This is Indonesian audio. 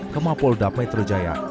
kemapolda metro jaya